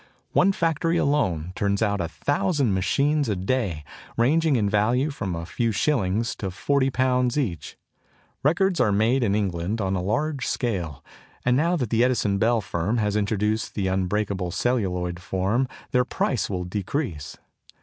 One factory alone turns out a thousand machines a day, ranging in value from a few shillings to forty pounds each. Records are made in England on a large scale; and now that the Edison Bell firm has introduced the unbreakable celluloid form their price will decrease.